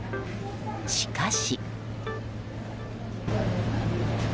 しかし。